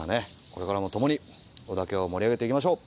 これからも共に織田家を盛り上げていきましょう。